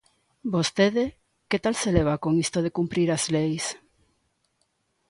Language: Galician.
Vostede ¿que tal se leva con isto de cumprir as leis?